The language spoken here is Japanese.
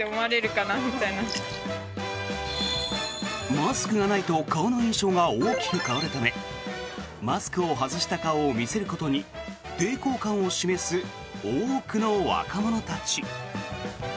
マスクがないと顔の印象が大きく変わるためマスクを外した顔を見せることに抵抗感を示す多くの若者たち。